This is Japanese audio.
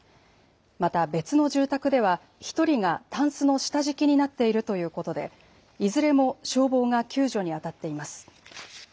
また別の住宅では１人がたんすの下敷きになっているということで、いずれも消防が救助にあたっています。